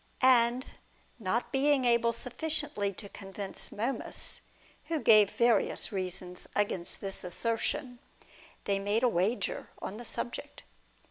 And not being able sufficiently to convince Momus, who gave various reasons against this assertion, they made a wager on the subject.